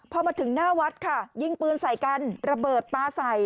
พอมาถึงหน้าวัดค่ะยิงปืนใส่กันระเบิดปลาใส่